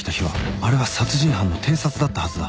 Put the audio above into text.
あれは殺人犯の偵察だったはずだ